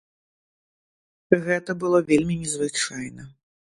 Гэта было вельмі незвычайна!